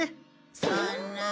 そんなあ。